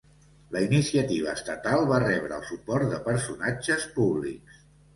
La iniciativa estatal va rebre el suport de personatges públics.